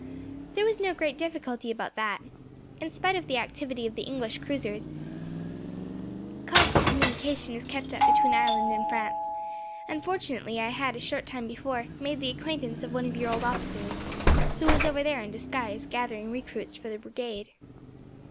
"There was no great difficulty about that. In spite of the activity of the English cruisers, constant communication is kept up between Ireland and France, and fortunately I had, a short time before, made the acquaintance of one of your officers, who was over there, in disguise, gathering recruits for the Brigade."